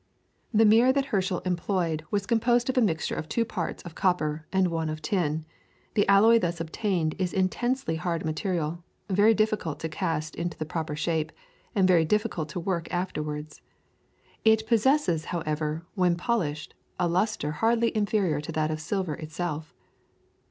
] The mirror that Herschel employed was composed of a mixture of two parts of copper to one of tin; the alloy thus obtained is an intensely hard material, very difficult to cast into the proper shape, and very difficult to work afterwards. It possesses, however, when polished, a lustre hardly inferior to that of silver itself.